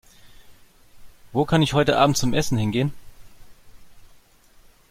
Wo kann ich heute Abend zum Essen hingehen?